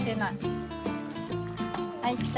はいった。